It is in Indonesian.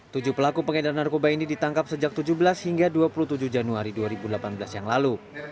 tujuh pelaku pengedar narkoba ini ditangkap sejak tujuh belas hingga dua puluh tujuh januari dua ribu delapan belas yang lalu